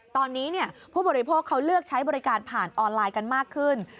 ตอนนี้ผู้บริโภคเขาเลือกใช้บริการผ่านออนไลน์กันมากขึ้น